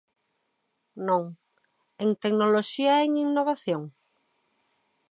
Non ¿En tecnoloxía e en innovación?